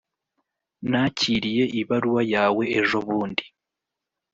nakiriye ibaruwa yawe ejobundi.